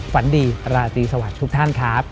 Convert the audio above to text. ฝันดีราตรีสวัสดีทุกท่านครับ